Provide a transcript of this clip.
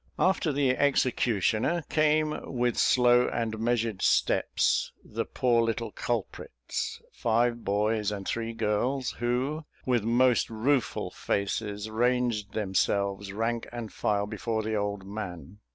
After the executioner came, with slow and measured steps, the poor little culprits, five boys and three girls, who, with most rueful faces, ranged themselves, rank and file, before the old man.